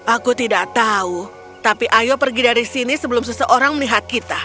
aku tidak tahu tapi ayo pergi dari sini sebelum seseorang melihat kita